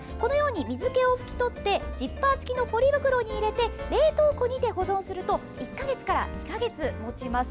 水気を拭き取ってジッパー付きのポリ袋に入れて冷凍庫にて保存すると１か月から２か月もちます。